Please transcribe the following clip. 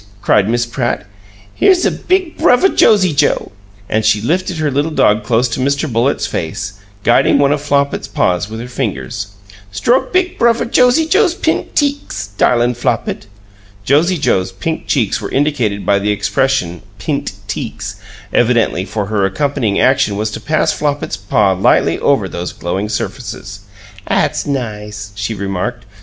cried Miss Pratt. "Here's big Bruvva Josie Joe!" And she lifted her little dog close to Mr. Bullitt's face, guiding one of Flopit's paws with her fingers. "Stroke big Bruvva Josie Joe's pint teeks, darlin' Flopit." (Josie Joe's pink cheeks were indicated by the expression "pint teeks," evidently, for her accompanying action was to pass Flopit's paw lightly over those glowing surfaces.) "'At's nice!" she remarked.